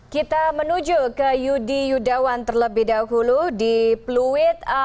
kita menuju ke yudi yudawan terlebih dahulu di pluit